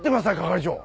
係長！